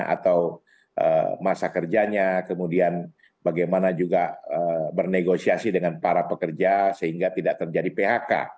atau masa kerjanya kemudian bagaimana juga bernegosiasi dengan para pekerja sehingga tidak terjadi phk